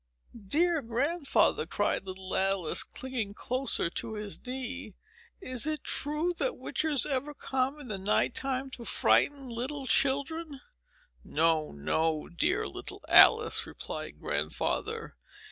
"Dear Grandfather," cried little Alice, clinging closer to his knee, "is it true that witches ever come in the night time to frighten little children?" "No, no, dear little Alice," replied Grandfather.